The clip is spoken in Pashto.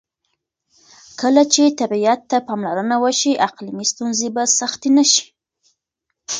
کله چې طبیعت ته پاملرنه وشي، اقلیمي ستونزې به سختې نه شي.